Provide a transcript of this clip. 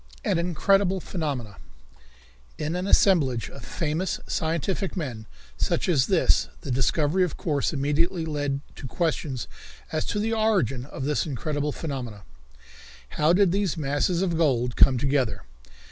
An Incredible Phenomenon. In an assemblage of famous scientific men such as this the discovery of course immediately led to questions as to the origin of this incredible phenomenon. How did these masses of gold come together?